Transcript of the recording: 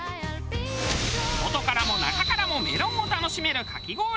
外からも中からもメロンを楽しめるかき氷。